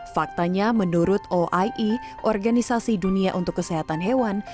faktanya menurut oie organisasi dunia untuk kesehatan hewan